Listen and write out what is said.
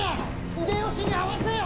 秀吉に会わせよ！